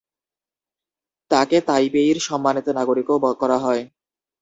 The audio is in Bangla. তাকে তাইপেইর সম্মানিত নাগরিকও করা হয়।